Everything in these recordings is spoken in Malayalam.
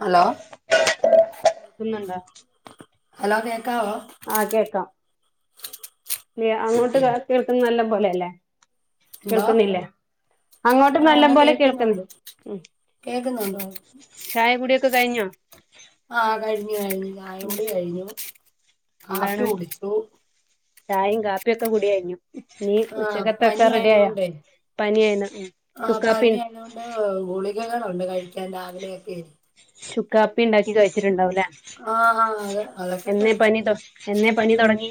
ഹലോ തിന്ന് ഇണ്ടോ ഹലോ കേ ആഹ് കേൾക്കാം അങ്ങോട്ട് കേൾക്കാൻ നല്ല പോലല്ലേ എന്തോ കേൾക്കുന്നില്ല അങ്ങോട്ടും നല്ല ആഹ് പോലെ കേൾക്ന്ന് കേക്കുന്നുണ്ട് ഉം കേക്കുന്നുണ്ടോ ചായ കുടിയൊ കഴിഞ്ഞോ ആഹ് കഴിഞ്ഞു കഴിഞ് ഉം ചായോടി കഴിഞ്ഞു കാഫി എന്താണ് കുടിച്ചു ചായയും കാപ്പിയൊക്കെ കുടി കഴഞ്ഞു ഈ ആഹ് ഉച്ചകതൊക്കെ പനി റെഡിയായോ ആയതുകൊണ്ടേ പനിഎന്ന് ചുക്കുകാപ്പി ഞങ്ങളുണ്ട് കഴിക്കാൻ രാവിലെ ഒക്കെ ചുക്കാപ്പി ഉണ്ടാക്കി കഴിച്ചിട്ടുണ്ടാവുല്ല ആഹ് ആഹ് അത് അതൊക്കെ എന്നെ കഴിച്ചു പനി തോ എന്നെ പനി തൊടങ്ങി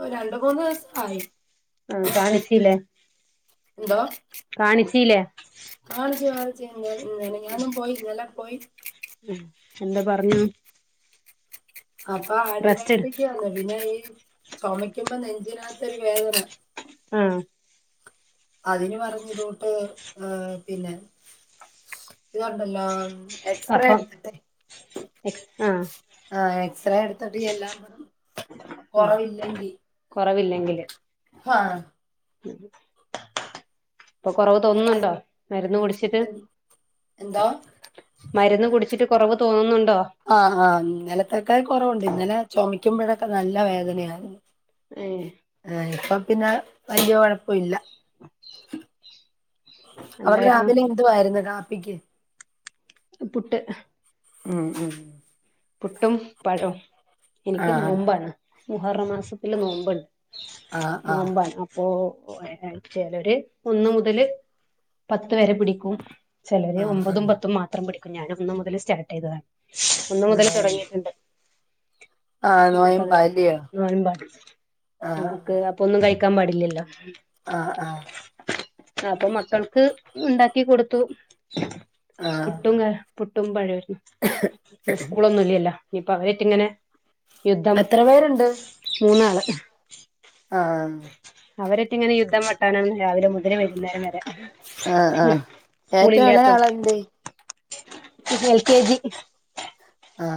ഓ രണ്ട് മൂന്ന് ദിവസായി ആഹ് കാണ്ചീലെ എന്തോ കാണ്ചീല്ലെ മെനഞ്ഞാന്നും പോയി ഇന്നലേ പോയി ആ എന്തു പറഞ്ഞു അപ്പൊ റെസ്റ്റ് എടു ആന്റിബയോട്ടിക് തന്നു പിന്നെ ഈ ചുമക്കുമ്പോ നെഞ്ചിനാത്തൊരു വേദന ആഹ് അതിന് പറഞ് ഇതോട്ട് ഏഹ് പിന്ന ഇത് ഉണ്ടല്ലോ എക്സ്റേ കഫം എടുത്തിട്ടെ എക്സ് ആഹ് ആ എക്സ്റേ എടുത്തിട്ട് എല്ലാം കൊറവില്ലെങ്കി ഇല്ലില്ലേ ഹാ [unintelligible] ഇപ്പൊ കൊറവ് തോന്നുന്നുണ്ടോ മരുന്ന് കുടിച്ചിട്ട് എന്തോ മരുന്ന് കുടിച്ചിട്ട് കുറവ് തോന്നുന്നു ആഹ് ആഹ് ഇന്നലത്തേക്കായി കൊറവുണ്ട് ഇന്നലെ ചൊമയ് ക്കുമ്പോഴക്കെ നല്ല വേദനയായിരുന്നു ഏ ഏ ഇപ്പം പിന്നെ വല്യ കൊഴ പ്പില്ല അവിടെ എന്തായിരുന്നു രാവിലെ എന്തുവായിരുന്നു കാ പ്പിക്ക് പുട്ട് ഉം ഉം പുട്ടും പഴവും എനിക്ക് ആഹ് നോമ്പാണ് മുഹറ മാസം ഇല്ല നോമ്പാണ് ആഹ് ആഹ് നോമ്പാണ് അപ്പോ ഒരാഴ്ചയല്ല ഒരു ഒന്ന് മുതല് പത്ത് വരെ പിടിക്കും ചെലവര് ആഹ് ആഹ് ഒമ്പതും പത്തും മാത്രം പിടിക്കും ക്കും ഞാനൊന്ന് മുതല് സ്റ്റാർട്ട് യ്തതാണ് ഒന്ന് മുതൽ ആഹ് തൊടങ്ങിയിട്ട്ണ്ട് ആഹ് നമക്കത് നോയമ്പാ അല്ലയോ നോയ്‌മ്പാണ് നമുക്ക് അപ്പൊ ഒന്നും കഴി ക്കാം പാടില്ലല്ലോ ആ ആ അപ്പൊ മക്കൾക്ക് ണ്ടാക്കി കൊടുത്തു ആഹ് പുട്ടുങ്ക പുട്ടും പഴവേ ഉം ന്ന് സ്കൂളൊന്നും ഇല്യല്ലോ ഞ്ഞ്പ്പ അവരേറ്റ് ങ്ങനെ യുദ്ധം എത്ര പേരുണ്ട് മൂന്നാള് ആഹ് അവരേറ്റ് ങ്ങനെ യുദ്ധം വെട്ട് ട്ടാനാണ് രാവിലെ മുതൽ വൈകുന്നേരം വെരെ ആ ആ ഏറ്റവും എളയ ആളെന്തെ ഇപ്പോ എൽ കെ ജി ആ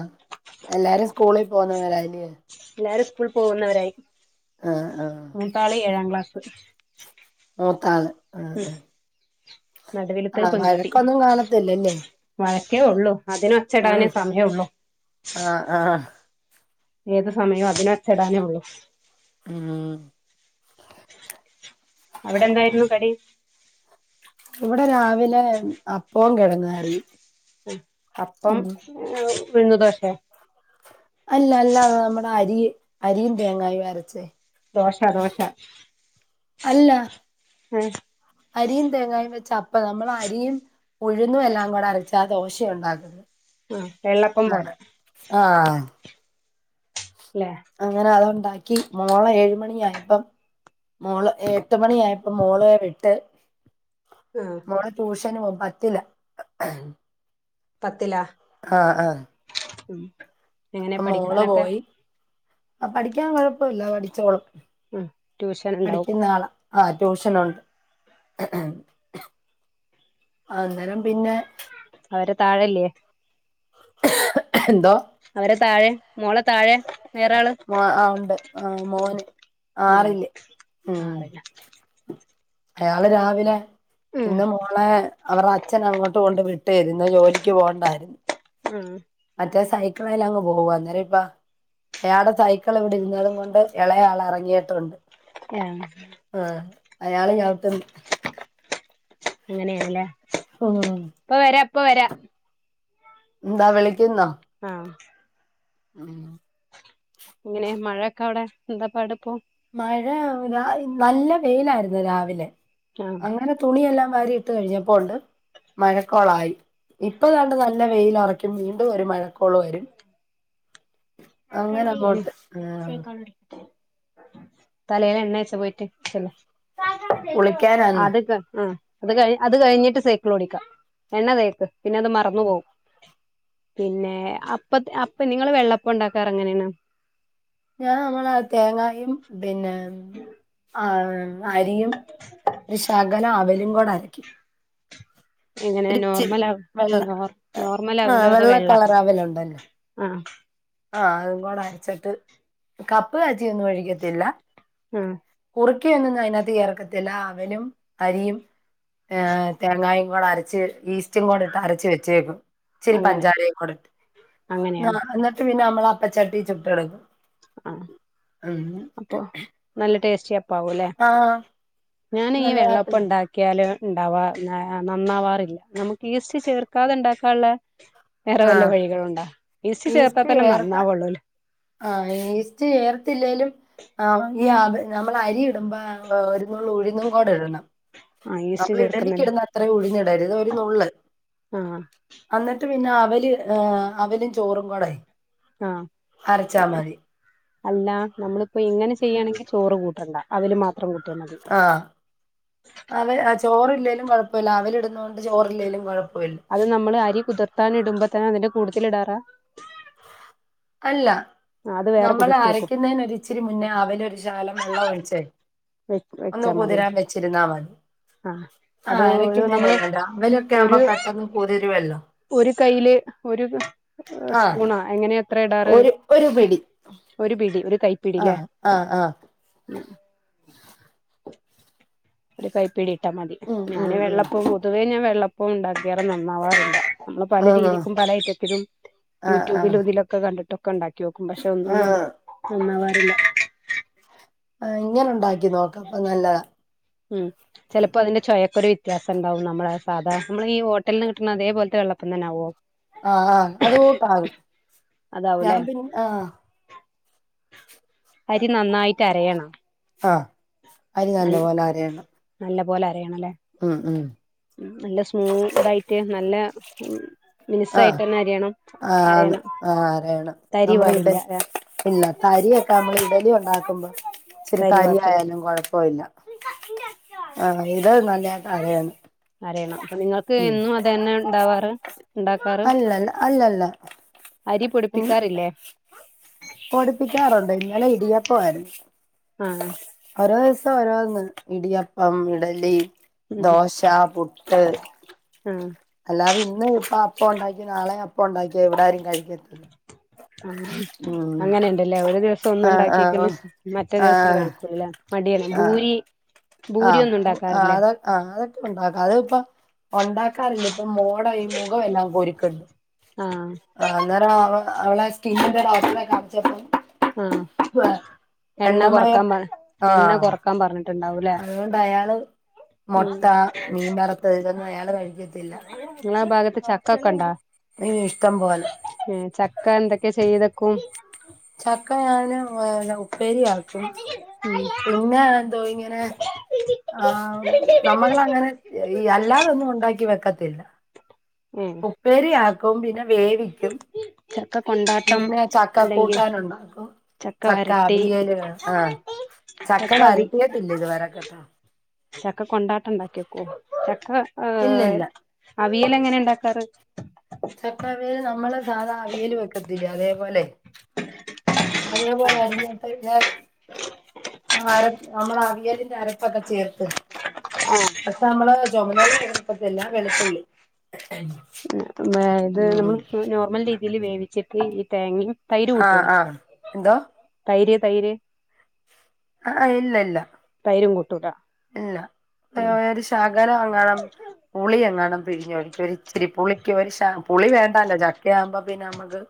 എല്ലാരും സ്കൂളിൽ പോകുന്നവരായി ല്ലാരും സ് കൂൾ പോകുന്നവരായി ആ മൂതാളീ ഏഴാം ക്ലാസ് മൂതാള് ഉം ഉം നടുവിലത്തെ ആ വഴക്കൊന്നും കാണത്തില്ലല്ലേ കേഒള്ളൂ അതിന് ഒച്ചടാനേ ഉം സമയള്ളൂ ആ ആ ഏതു സമയവും അതിന് ഒച്ചടാനേ ഉള്ളൂ ഉം അവിടെ എന്തായിരുന്നു കടി ഇവിടെ രാവിലെ അപ്പം കിഴങ്ങ് കറിയും അപ്പം ഉം ഉഴുന്നു ദോശെ അല്ല അല്ല നമ്മുടെ അരി അരിയും തേങ്ങായി അരച്ചേ ദോശ ദോശ എ അല്ല അരിയും തേങ്ങായും വെച്ച് അപ്പം ഞങ്ങള് അരിയും ഉഴുന്നും എല്ലാം കൂടെ അരച്ചാൽ ദോശയുണ്ടാക്കും വെള്ളപ്പം പോലെ ആ അല്ലേ അങ്ങനെ അതുണ്ടാക്കി മോളെ ഏഴ് മണി ആയപ്പം മോള് എ പത്ത് മണിയായപ്പം മോള് വിട്ട് ആ മോളെ ടൂഷ ട്ടനു പത്തില്ല പത്തിലാ ആ ആ ഉം എങ്ങനെ അ മോളെ പഠിക്കാനൊക്കെ പോയി ആ പഠിക്കാൻ കുഴപ്പവില്ല പഠിച്ചോളും ഉം ട്യൂഷൻ ഉണ്ടാവും പഠിക്കുന്ന ആളാ ആ ട്യൂഷനുണ്ട് അന്നേരം പിന്നെ അവരെ താഴല്ലേ [inaudible] അവരെ താഴെ മോളെ താഴെ വേറെ ആള് മ ആ ഉണ്ട് ആ മോന് മൂന്ന് ആറില് ഉം ആറില അയാള് രാവിലെ ഉം ഇന്ന് മോളേ അവർരെ അച്ഛൻ അങ്ങോട്ട് കൊണ്ട് വിട്ടു ട്ടര്ന് ജോലിക്ക് പോണ്ടായിരുന്നു മ് മറ്റേ സൈക്കളിലങ്ങ് പോവായിരുന്നു ഇപ്പ അയാള്ടെ സൈക്കിൾ ഇവിടെ ഇരുന്നത് കൊണ്ട് എളെയാള് എറങ്ങീട്ടുണ്ട് മ് അയാള് ചവിട്ടും അങ്ങനെയേലെ ഇപ്പവരാ ഇപ്പവരാ ന്താ വിളി ആ ഉം ഇങ്ങനെ മഴയൊക്കെഅവിടെ എന്താ പാടുപ്പോ മഴ നല്ല വെയിലായിരുന്നു രാവിലെ ആഹ് അങ്ങനെ തുണിയെല്ലാം വാരിഇട്ട് കഴിഞ്ഞപ്പോഉണ്ട് മഴക്കോളായി ഇട്ട്കണ്ട് നല്ല വെയിലറിക്കും വീണ്ടും ഒരു മഴക്കോൾവരും അങ്ങനെ അങ്ങോട്ട് ആ തലേല് എണ്ണ തേച്ച പോയിട്ട് ചെല്ല് കുളിക്കാനാന്ന് [unintelligible] അത് കഴി അത് കഴിഞ്ഞിട്ട് സൈകിൾ ഓടിക്കാ എണ്ണ തേക്ക് പിന്നെ അത് മറന്ന് പോകും പിന്നെ അപ്പ അപ്പ നിങ്ങള് വെള്ള പ്പണ്ടാക്കാറങ്ങെനേണ് ഞാൻ നല്ല തേങ്ങായും പിന്നെ ആ അരിയും ഒരു ശകലം അവലും കൂടെഅര എങ്ങനെ ഒരിച്ചിരി നോർമലൗ വെള്ള നോർമ നോർമലൗലോ അതൊ വെള്ള ആ ആ അതും കൂടെ അരച്ചിട്ട് കപ്പ ക ത്തിന്നും ഒഴുക്കത്തില്ല ആഹ് കുറി ക്കെന്നും അതിനകത്ത് ചേർക്കത്തില്ല അവലും അരിയും ഏ തേങ്ങായും കൂടെ അരച്ച് ഈ റ്റും കൂടെ ഇട്ട് അരച്ച് വെച്ചേക്കും ച്ചിരി അങ്ങനെ പഞ്ചാരയും കൂടെട്ട് അങ്ങനെയാണ് [unintelligible] പിന്നെ നമ്മളെ അപ്പച്ചട്ടിചുട്ട്എടുക്കും ആ അപ്പൊ നല്ല ടേസ്റ്റ് പ്പാവൂല്ലേ ആ ഞാൻ ഈ നല്ലതായിട്ട് വെള്ളപ്പം കിട്ടും. ണ്ടാക്കിയാല് ഉണ്ടാവാ ഞാ നന്നാവാറില്ല നമുക്ക് ഈസ്റ്റ് ചേർക്കാതെണ്ടാക്കാള്ളെ വേറെ ആ വല്ല വഴികളുംണ്ടാ ഈസ്റ്റ് ചേർത്താതന്നെ നന്നാവുള്ളൂലേ ആ ഈസ്റ്റ് ചേർത്തില്ലേലും ആ ഈ നമ്മൾ അരിടുമ്പോ ഒുരുനുള്ള് ഉഴുന്നുംകൂടെഇടണം ആഹ് ഈസ്റ്റ് നമ്മൾ ഇടലിക്ക് ചേർക്കുന്നില്ലേ ഇടുന്ന അത്ര ഉഴുന്ന് ഇടരുത് ഒരുനുള്ള് ആഹ് അന്നിട്ട് പിന്നെ അവല് ആ അവലും ചോറും കൂടെ ആ അരച്ചാ പിന്നെ മതി. അല്ല നമ്മളിപ്പോ ഇങ്ങനെ ചെയ്യാണെങ്കിൽ ചോറ് കൂ വേണ്ട അവില് മാ ആ അങ്ങനെ അച് ചോറില്ലേലും കൊഴപ്പല്ല അവല് ഇടുന്നോണ്ട് ചോറില്ലേലും കൊ അത് നമ്മള് അരി കുതിർത്താൻ ഇടുമ്പോ തന്നെ അതിന്റെ കൂടുതൽ ഇടാറാ അല്ല അത് വേറെ നമ്മള് കുതിർത്തി വെക്കും അരക്കുന്നതിന് ഒരു ഇച്ചിരി മുന്നേ അവല് ഒരു ശകലം വെള്ളം ഒഴിച്ചേ വ ഒന്ന് വെച്ചാ മതിൽ കുതിരാൻ വെച്ചിരുന്നാ മതി. ആ അത് ആഹ് നമ്മള് അരക്കുന്നതിന് രാവിലൊക്കെ ആവുമ്പോ ഒരു പെട്ടെന്ന് കുതിരുവല്ലോ ഒരു കയ്യില് ഒരു ആഹ് സ്പൂണാ അങ്ങനെയ ത്ര ഇടാറ് ഒരു ഒരു പിടി ഒരു പിടി കൈപ്പിടില്ലേ ആഹ് ആഹ് ആഹ് ഉം ഇരു കൈ പിടി ട്ടാ മതി ഉം ഉം ഞാന് ഉം വെള്ളപ്പം പൊതുവേ ഞാൻ വെള്ള ഇപ്പ ഉണ്ടാക്കിയാറ് നന്നാവാറില്ല നമ്മള് പല ആഹ് ആഹ് രീതിക്കും പല ഐറ്റത്തിലും ആഹ് യൂട്യൂബിലും ഇതിലൊക്കെ കണ്ടി ട്ടൊക്കെണ്ട ക്കിയോക്കും പക്ഷെ ഒന്നും കൂടെ ആഹ് നന്നാവാറില്ല ആ ഇങ്ങനെ ഉണ്ടാക്കി നോക്കാം അപ്പൊ നല്ലതാ ഒരു വ്യത്യാസം ണ്ടാവും നമ്മളെ സാധാ നമ്മള് ഈ ഹോട്ടൽന്ന് കിട്ട്ണ അതപോലത്തെ വള്ളം അപ്പം തന്നാവോ ആ ആഹ് അതോട്ടാകും ഞാൻ അതാവൂല്ലേ പിന്നെ ആ അരി നന്നായിട്ട് അരയണം ആ അരി നല്ല പോലെ അരയണം മ്പോലെ ഉം ഉം സ്മൂതായിട്ട് നല്ല ഉം ആ മിനുസായിട്ട് തന്നെ അരിയണം ആ അതെ അരയണം ആ അരയണം തരി നമ്മൾ ഇടെ പാടില്ല ഇല്ല തരിയൊക്കെ നമ്മൾ ഇഡലി ഉണ്ടാക്കുമ്പോ ചിലപ്പോ തരി ആയാലും കൊഴ പോവില്ല അങ്ങനെ അരയണം പ്പ നിങ്ങൾക്ക് ഉം എന്നും അത് തന്നെ ഉണ്ടാവാ അല്ലല്ല അല്ലല്ല അരിപൊടിപ്പിക്കാറില്ലേ പൊടിപ്പിക്കാറുണ്ട് ഇന്നലെ ഇടിയപ്പം ആരുന്നു ആ ഇപ്പം ഓരോന്ന് ഇടിയപ്പം ഇഡലി ഉം ദോഷ പുട്ട് ആഹ് ഞാൻ ഇന്ന് ഇപ്പ അപ്പ ഉണ്ടാക്കിയ നാളെയും അപ്പ ഉണ്ടാക്കിയ എവിടാരും കഴി ഉം അങ്ങനെണ്ടല്ലേ ഒരു ദിവസം ഒന്നും ആഹ് ആഹ് ഉണ്ടാക്കിക്ക്‌ണ് മറ്റേ ദിവസം ആഹ് കഴിക്കൂല്ല മടിയനെ ആഹ് ഭൂരി ഭൂരി ആഹ് ഒന്നും ആ ഉണ്ടാക്കാറില്ലേ അതൊ ആ അതൊക്കെ ഉണ്ടാക്ക അത് ഇപ്പ ഉണ്ടാക്കാറില്ല ഇപ്പം മോട ഈ മുഖം എല്ലാം കുരുക്ക്‌ന്ന് ആഹ് ആ അന്നേരം അവ അവളെ സ്കിന്നിന്റെ ഡോക്ടറെ കാണിച്ചപ്പം ആഹ എണ്ണ എണ്ണമയം കൊറക്കാൻ പറ എണ്ണ ആഹ് കൊറക്കാൻ പറഞ അതുകൊണ്ട് അയാള് ഉം മൊട്ട മീൻവറത്തത് ഇതൊന്നും അയാള് കഴിക്കത്തില്ല നിങ്ങളാ ഭാഗത്ത് ചക്ക ഒക്ക ഒണ്ടോ അയ്യോ ഇഷ്ടം പോലെ ക്ക എന്തൊക്കെ ചെയ്തക്കും ചക്ക ഞാന് വ ഉപ്പേരിയാക്കും പിന്നെ ദോ ഇങ്ങനെ ആഹ് നമ്മളിൽ അങ്ങനെ ഈ അല്ലാതൊന്നും ഉണ്ടാക്കി വെ ക്കത്തില്ല ഏ ഉപ്പേരിയാക്കും പിന്നെ വേവിക്കും ചക്ക കൊണ്ടാട്ടം പിന്നെ ചക്ക അല്ലെങ്കിൽ കൂട്ടാൻ ഉണ്ടാക്കും ചക്ക വരട്ടി ചക്കഅവിയല് ആഹ് ചക്ക വരട്ടീട്ടില്ല ഇത് വരെ കേട്ടോ ചക്ക കൊണ്ടാട്ടം ഉണ്ടാക്കിവെക്കോ ച അ ഇല്ല ആഹ് ഇല്ല അവിയൽ എങ്ങനെ ഉണ്ടാക്കാറ് ചക്കഅവിയല് നമ്മള് സാധാ അവിയൽ വെക്ക ത്തില്ലേ അതേപോലെ അന്നേപോലെ അരിഞ്ഞിട്ട അരപ്പ നമ്മള അവിയലിന്റെ അരപ്പൊക്കെ ചേർത്ത് ആഹ് അടുത്ത മ്മള് ചൊമന്നുള്ളി എടുക്കത്തില്ല വെളുത്തുള്ളി ഇത് നമ്മൾ ഉം നോർമൽ രീതിയിൽ വേവി [unintelligible] ഈ തേങ്ങയും തൈര് അ കൂട്ടുവോ അ എന്തോ തൈര് തൈര് ആഹ് ഇല്ലില്ല തുട ഇല്ല ഒരു ശകലം എങ്ങാണം പുളി എങ്ങാണം പിഴിഞ്ഞൊഴിക്കും ഒരിച്ചിരി പുളി ഒരു ശ പുളി വേണ്ടാല്ലോ ചക്ക ആവുമ്പോ പിന്നെ നമ്മക്ക്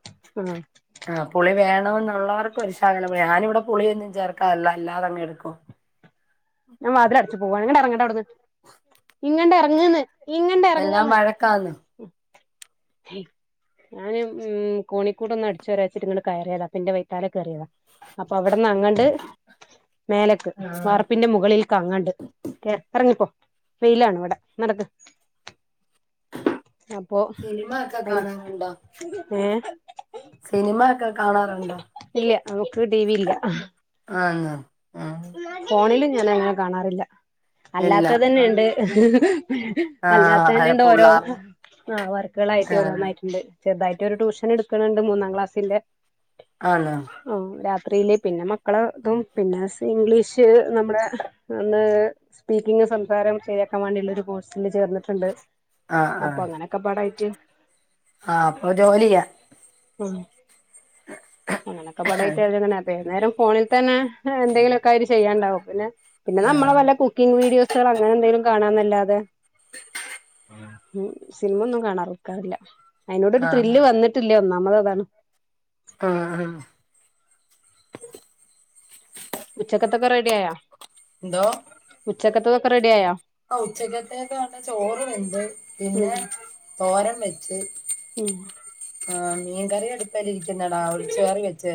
ആഹ് ആ പുളി വേ ണം ന്ന്ള്ളോർക് ഒരുശകലം വേ ഞാനിവിടെ പുളിയൊന്നും ചേർക്കാറില്ല അല്ലാതങ് എടുക്കും ഞാൻ വാതില് അടച്ചു പോവാനിഡെറങ്ങണ്ടേ അവിടന്ന് ഇങ്ങട്ട് ഇറങ്ങ്ന്ന് എല്ലാം വഴക്കാന്ന് ഞാന് ഉം കോണിക്കൂട് ഒന്ന് അടിച്ച് വാരാച്ചിട്ട് ഇങ്ങ് കയറിയതാ അപ്പം എന്റെ വൈത്താലെ കേറിയതാ അപ്പം വിടന്ന് അങ്ങട്ട് മേലക്ക് വ ആഹ് ദിൽ കങ്ങാണ്ട് കെ ഇറങ്ങിപ്പോ വെയിലാണ് ഇവിടെ നടക്ക് അപ്പൊ സിനിമ ഒക്കെ അയിന് കാണാറുണ്ടോ ഏഹ് സിനിമ ഒക്കെ കാണാറുണ്ടോ ഇല്ല നമുക്ക് ടി വി ഇല്ല ആ ഫോണില് ഞാൻ അങ്ങനെ കാണാറില്ല ഇല്ല അല്ലാത്ത ആഹ് തന്നെയുണ്ട് ആഹ് അല്ലാത്ത തന്നെ അല്ല ഉണ്ട് ഓരോ പുള്ളാർ ആ വർക്കുകളായിട്ട് ആഹ് ഓരോന്നായിട്ടുണ്ട് ചെറുതായിട്ട് ഒരു ട്യഷൻ എടുക്കണുണ്ട് മൂന്നാം ക്ലാസിന്റെ ആണോ ആ രാ റീല് പിന്നെ മക്കളതും പിന്നെ സ് ഇംഗ്ലീഷ് നമ്മുടെ ഒന്ന് സ്പീക്കിങ്ങ് സംസാരം ശെരിയാക്കാൻ വേണ്ടിയുള്ളൊരു കോഴ്സ് അതിന് ചേർന്നിട്ടുണ്ട് ആഹ് അപ്പൊ ആഹ് അങ്ങനെയൊക്കെ പാടായിട്ട് ആഹ് അപ്പൊ ജോലി യ്യാ ഉം അങ്ങനൊക്കെ ആഹ് പാടായിട്ട് [unintelligible] വൈകുന്നേരം ഫോണിൽ തന്നെ എന്തെങ്കിലുക്കെആയിട്ട് ചെയ്യാൻണ്ടാവും പ പിന്നെ പിന്നെ നമ്മള് വല്ല കുക്കിംഗ് വീഡിയോസുകൾ അങ്ങനെ എന്തെലും കാണാന്നല്ലാതെ ഉം സിനിമൊന്നും കാണാറ് ക്കാറില്ല അയിനോട് ഒരു ആഹ് ത്രില്ല് വന്നട്ടില്ല ഒന്ന നമ്മളതാണ് ആ ഹ ഉച്ചക്കത്തൊക്കെ റെഡിയായ ന്തോ ച്ചക്കത്തതൊക്കെ റെഡിയായോ ആ ഉച്ചക്കത്തേക്കാണ് ചോറ് വെന്ത് പിന്നെ ഉം തോരം വെച്ച് ഉം ആഹ് മീകറിയടു [unintelligible] രിക്കുന്നടാ ഒരു ചയറി വെച്ച്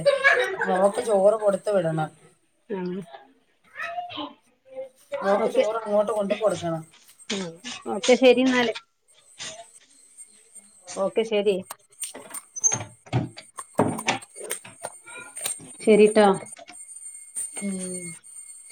മോക്ക് ചോറ് കൊടുത്ത് വിടണം ആ മോക്ക് ചോറ് അങ്ങോട്ട് കൊണ്ടു കൊടുക്കണം ഉം ഓക്കെ ശെരി ഇന്നാല് ഓക്കെ ശരി ശരിട്ടോ ഉം